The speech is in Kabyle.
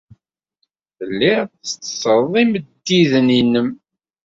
Telliḍ tetteṣṣreḍ imeddiden-nnem.